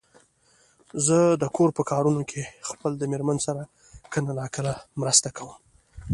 زه د کور په کارونو کې خپل د مېرمن سره کله ناکله مرسته کوم.